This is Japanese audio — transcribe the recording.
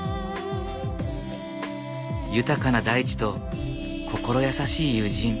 豊かな大地と心優しい友人。